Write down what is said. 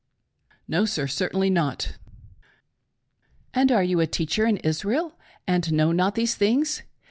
L. P. : No sir. Certainly not ! M. : And are you a teacher in Israel and know not these things